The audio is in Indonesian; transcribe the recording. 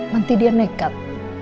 nanti dia nekat